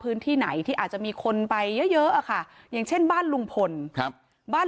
พื้นที่ไหนที่อาจจะมีคนไปเยอะเยอะอะค่ะอย่างเช่นบ้านลุงพลครับบ้าน